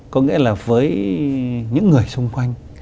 có nghĩa là với những người xung quanh